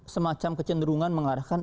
semacam kecenderungan mengarahkan